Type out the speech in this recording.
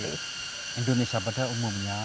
di indonesia pada umumnya